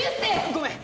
ごめん！